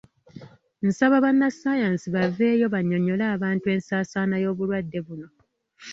Nsaba bannassaayansi baveeyo bannyonnyole abantu ensaasaana y’obulwadde buno.